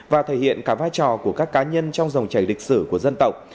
và thể hiện cả vai trò của các cá nhân trong dòng chảy lịch sử của dân tộc